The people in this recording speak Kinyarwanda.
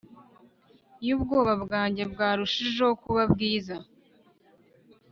iyo ubwoba bwanjye bwarushijeho kuba bwiza